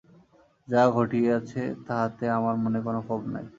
যাহা ঘটিয়াছে তাহাতে আমার মনে কোনো ক্ষোভ নাই।